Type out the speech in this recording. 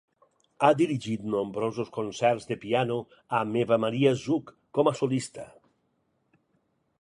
Ha dirigit nombrosos concerts de piano amb Eva Maria Zuk com a solista.